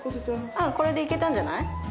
これでいけたんじゃない？